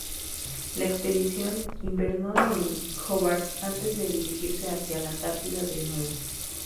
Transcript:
La expedición invernó en Hobart antes de dirigirse hacia la Antártida de nuevo.